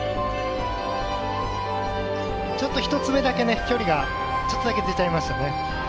ちょっと１つ目だけ距離が出ちゃいましたね。